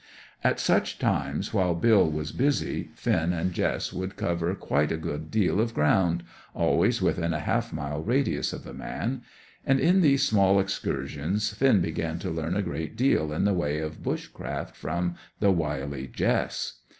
At such times, while Bill was busy, Finn and Jess would cover quite a good deal of ground, always within a half mile radius of the man; and in these small excursions Finn began to learn a good deal in the way of bush craft from the wily Jess.